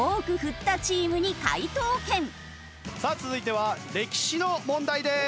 さあ続いては歴史の問題です。